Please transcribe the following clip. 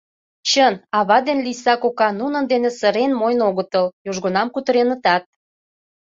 Чын, ава ден Лийса кока нунын дене сырен мойн огытыл, южгунам кутыренытат.